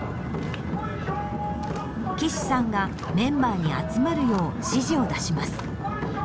貴志さんがメンバーに集まるよう指示を出します。